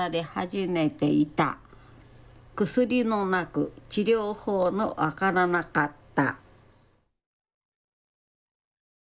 薬もなく治療法も分からなかった。